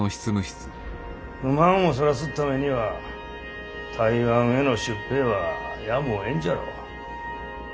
不満をそらすっためには台湾への出兵はやむをえんじゃろう。